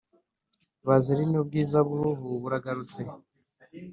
Vazerine ubwiza buruhu buragarutse